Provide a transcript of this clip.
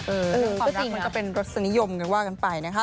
คือความจริงมันก็เป็นรสนิยมกันว่ากันไปนะคะ